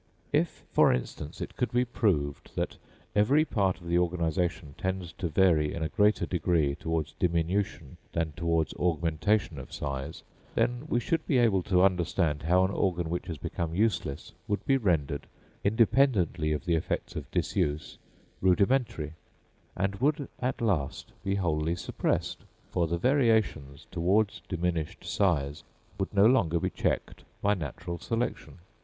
If, for instance, it could be proved that every part of the organisation tends to vary in a greater degree towards diminution than toward augmentation of size, then we should be able to understand how an organ which has become useless would be rendered, independently of the effects of disuse, rudimentary and would at last be wholly suppressed; for the variations towards diminished size would no longer be checked by natural selection.